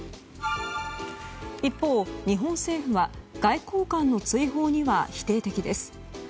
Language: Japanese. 一方、日本政府は外交官の追放には否定的です。